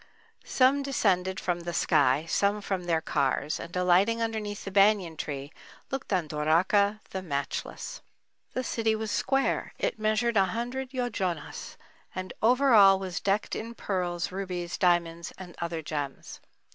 Some descended from the sky, some from their cars—and alighting underneath the banyan tree, looked on Dwáraká, the matchless. The city was square,—it measured a hundred yojonas, and over all, was decked in pearls, rubies, diamonds, and other gems.